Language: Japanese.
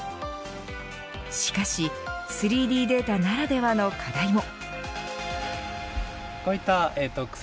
しかし３Ｄデータならではの課題も。